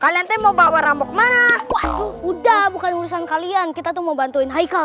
kalian mau bawa rambu kemana udah bukan urusan kalian kita tuh mau bantuin haikal